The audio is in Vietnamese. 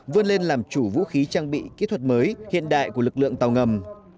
vươn lên làm chủ vũ khí trang bị kỹ thuật mới hiện đại của lực lượng tàu ngầm